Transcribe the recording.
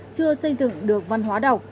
chưa xây dựng được văn hóa đọc